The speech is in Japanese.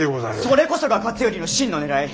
それこそが勝頼の真のねらい！